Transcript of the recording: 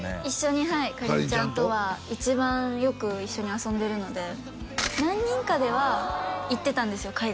一緒にはいかりんちゃんとは一番よく一緒に遊んでるので何人かでは行ってたんですよ